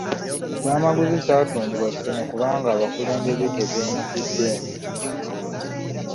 Ekyamaguzi kyatundiddwa kitono kubanga abakulembeze tebeenyigiddemu.